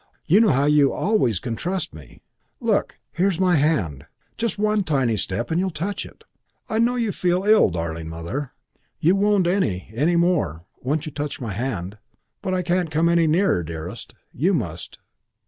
You know how you always can trust me. Look, here's my hand. Just one tiny step and you will touch it. I know you feel ill, darling Mother. You won't any, any more, once you touch my hand. But I can't come any nearer, dearest. You must.